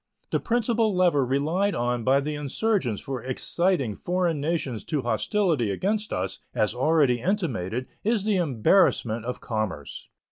The principal lever relied on by the insurgents for exciting foreign nations to hostility against us, as already intimated, is the embarrassment of commerce.